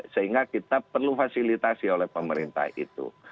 sehingga kita perlu fasilitasi oleh pemerintah itu